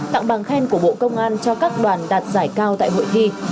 tặng bằng khen của bộ công an cho các đoàn đạt giải cao tại hội thi